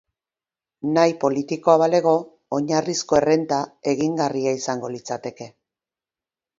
Nahi politikoa balego, oinarrizko errenta egingarria izango litzateke.